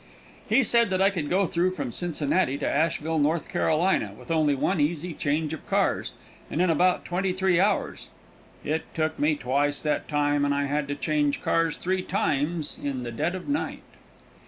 He said that I could go through from Cincinnati to Asheville, North Carolina, with only one easy change of cars, and in about twenty three hours. It took me twice that time, and I had to change cars three times in the dead of night.